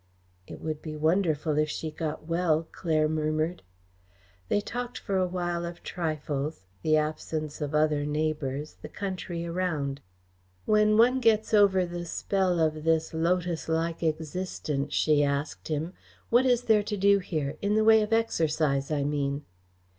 "It would be wonderful if she got well," Claire murmured. They talked for a while of trifles; the absence of other neighbours, the country around. "When one gets over the spell of this lotuslike existence," she asked him, "what is there to do here in the way of exercise, I mean?"